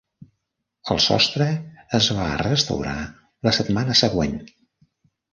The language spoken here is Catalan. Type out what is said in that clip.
El sostre es va restaurar la setmana següent.